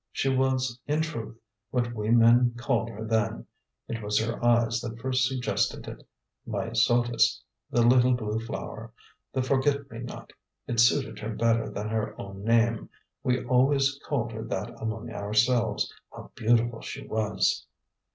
"She was, in truth, what we men called her then; it was her eyes that first suggested it Myosotis, the little blue flower, the for get me not. It suited her better than her own name. We always called her that among ourselves. How beautiful she was!"